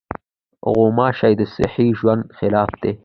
غوماشې د صحي ژوند خلاف دي.